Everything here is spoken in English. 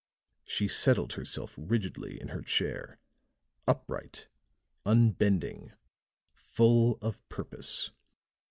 She settled herself rigidly in her chair, upright, unbending, full of purpose.